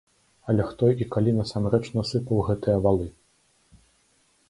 Але хто і калі насамрэч насыпаў гэтыя валы?